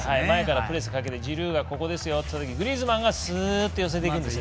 前からプレスかけてジルーがここですよっていうときにグリーズマンがすーっと寄せていくんです。